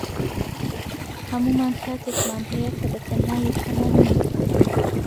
هەموومان کاتێکمان هەیە کە بەتەنها هی خۆمان نییە